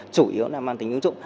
chủ yếu là mang tính ứng dụng